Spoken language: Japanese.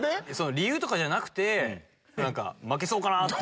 理由とかじゃなくて負けそうかなぁって。